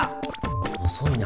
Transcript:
遅いな。